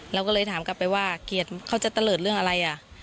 เราก็เลยถามกลับไปว่าเกียรติเขาจะเตลิศเรื่องอะไรอ่ะ